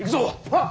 はっ！